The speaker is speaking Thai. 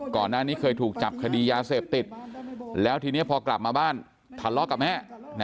ก่อนหน้านี้เคยถูกจับคดียาเสพติดแล้วทีนี้พอกลับมาบ้านทะเลาะกับแม่